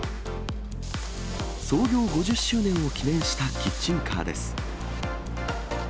創業５０周年を記念したキッチンカーです。